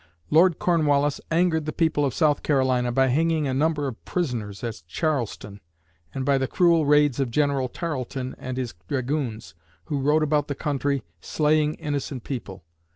Lord Cornwallis angered the people of South Carolina by hanging a number of prisoners at Charleston and by the cruel raids of General Tarleton and his dragoons, who rode about the country, slaying innocent people.